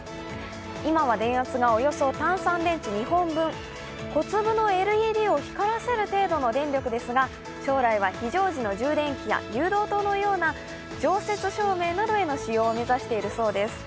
今は電圧がおよそ単三電池２本分、小粒のＬＥＤを光らせる程度の電力ですが、将来は非常時の充電器や誘導灯のような常設照明などへの使用を目指しているそうです。